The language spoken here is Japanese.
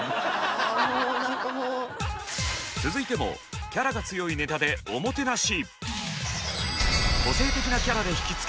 続いてもキャラが強いネタでおもてなし。